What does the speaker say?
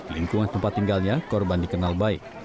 lingkungan tempat tinggalnya korban dikenal baik